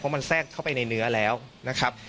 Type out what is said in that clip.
มันแทรกเข้าไปในเนื้อแล้วนะครับ